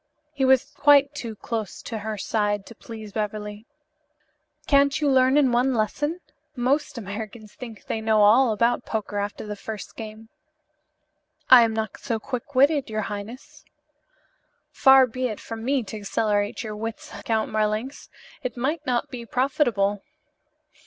He was quite too close to her side to please Beverly. "Can't you learn in one lesson? Most Americans think they know all about poker after the first game." "I am not so quick witted, your highness." "Far be it from me to accelerate your wits, Count Marlanx. It might not be profitable."